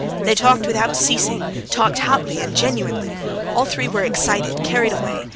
They talked without ceasing, talked, hotly and genuinely; all three were excited, carried away.